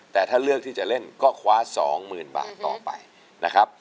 แต่ถ้าเลือกที่จะเล่นก็คว้า๒๐๐๐บาทต่อไปนะครับ